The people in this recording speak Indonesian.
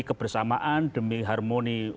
kebersamaan demi harmoni